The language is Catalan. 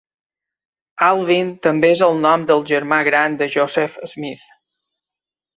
Alvin també és el nom del germà gran de Joseph Smith.